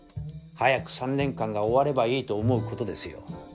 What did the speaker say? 早く３年間が終わればいいと思うことですよ。